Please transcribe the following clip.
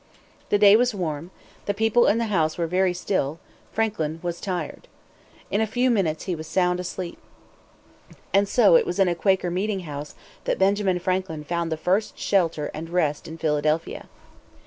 The day was warm; the people in the house were very still; Franklin was tired. In a few minutes he was sound asleep. And so it was in a Quaker meeting house that Benjamin Franklin found the first shelter and rest in Philadelphia.